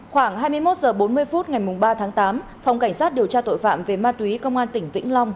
khoảng hai mươi một h bốn mươi phút ngày ba tháng tám phòng cảnh sát điều tra tội phạm về ma túy công an tỉnh vĩnh long